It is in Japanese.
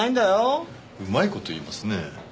うまい事言いますね。